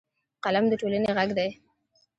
قلم د ټولنې غږ دی